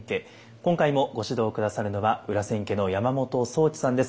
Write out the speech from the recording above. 今回もご指導下さるのは裏千家の山本宗知さんです。